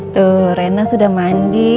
tuh reina sudah mandi